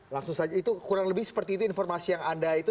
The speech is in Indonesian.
langsung saja itu kurang lebih seperti itu informasi yang anda itu